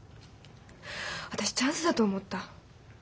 私チャンスだと思った。